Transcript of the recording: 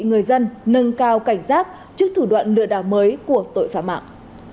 người dân nâng cao cảnh giác trước thủ đoạn lừa đảo mới của tội phạm mạng